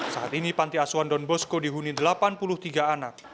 saat ini panti asuhan don bosco dihuni delapan puluh tiga anak